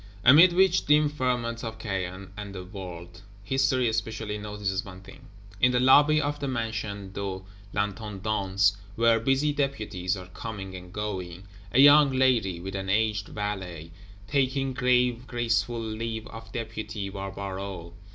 Amid which dim ferment of Caen and the World, History specially notices one thing: in the lobby of the Mansion de l'Intendance, where busy Deputies are coming and going, a young Lady with an aged valet, taking grave graceful leave of Deputy Barbaroux.